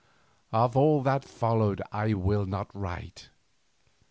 Of all that followed I will not write.